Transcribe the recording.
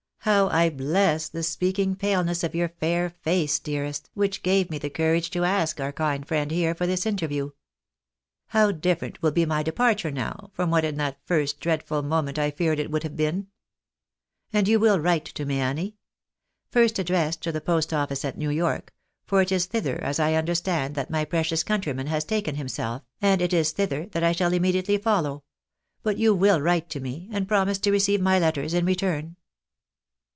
How I bless the speaking paleness of your fair face, dearest, which gave me courage to ask our kind friend here, for this interview ! How different will be my departure now, from what in that first dreadful moment I feared it would have been ! And you will write to me, Annie ? First addressed to the post office at New York ; for it is thither, as I understand, that my precious countryman has taken himself, and it is thither that I shall immediately follow ; but you will write to me, and promise to receive my letters in return